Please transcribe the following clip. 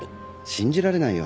信じられないよ。